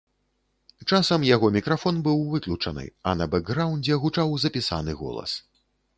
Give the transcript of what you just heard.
Часам яго мікрафон быў выключаны, а на бэкграўндзе гучаў запісаны голас.